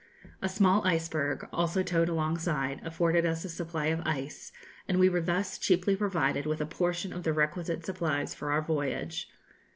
A small iceberg, also towed alongside, afforded us a supply of ice; and we were thus cheaply provided with a portion of the requisite supplies for our voyage.